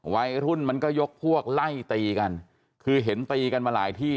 วัยรุ่นมันก็ยกพวกไล่ตีกันคือเห็นตีกันมาหลายที่